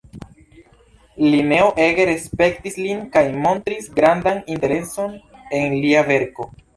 Lineo ege respektis lin kaj montris grandan intereson en lia verko.